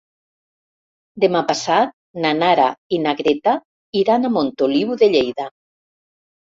Demà passat na Nara i na Greta iran a Montoliu de Lleida.